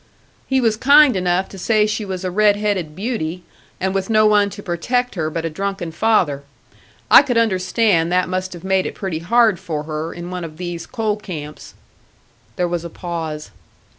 "He was kind enough to say she was a red headed beauty, and with no one to protect her but a drunken father. I could understand that must have made it pretty hard for her, in one of these coal camps." There was a pause.